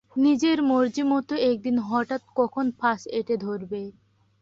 নিজের মর্জিমত একদিন হঠাৎ কখন ফাঁস এঁটে ধরবে।